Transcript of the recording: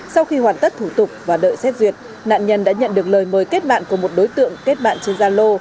sau khi hoàn tất thủ tục và đợi xét duyệt nạn nhân đã nhận được lời mời kết bạn của một đối tượng kết bạn trên gia lô